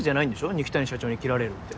二木谷社長に切られるって。